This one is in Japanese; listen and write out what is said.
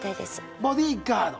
「ボディーガード」。